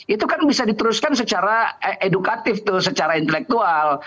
itu kan bisa diteruskan secara edukatif tuh secara intelektual